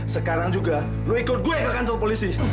sekarang juga lu ikut gue ke kantor polisi